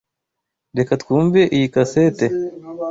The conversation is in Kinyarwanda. Reka twumve iyi cassette.